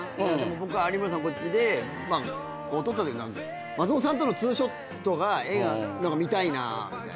僕は有村さんこっちで松本さんとのツーショットが見たいなぁみたいな。